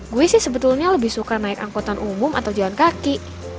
gue sih sebetulnya lebih suka naik angkutan umum atau jalan kaki